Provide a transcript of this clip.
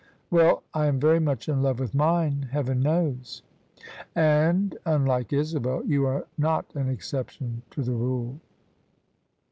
'' ^^Well, I am very much in lave with mine, heaven knows!'' "And — unlike Isabel — you arc not an exception to the rule."